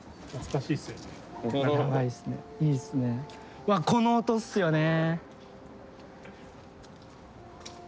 うわっこの音っすよねえ！